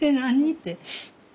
って。